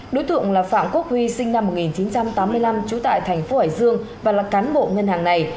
đối tượng là phạm quốc huy sinh năm một nghìn chín trăm tám mươi năm trú tại thành phố hải dương và là cán bộ ngân hàng này